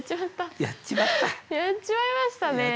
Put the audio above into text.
やっちまいましたねえ。